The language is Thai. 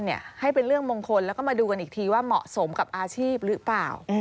ให้เป็นเรื่องมงคลแล้วก็มาดูกันอีกทีว่าเหมาะสมกับอาชีพหรือเปล่า